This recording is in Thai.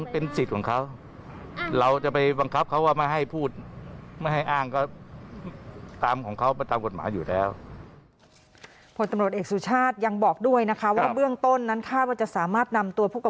เพราะฉะนั้นการอ้างว่าคลุมห้ามหกช้ำก็ที่